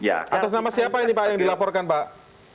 atas nama siapa ini pak yang dilaporkan pak